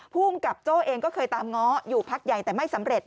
ภูมิกับโจ้เองก็เคยตามง้ออยู่พักใหญ่แต่ไม่สำเร็จ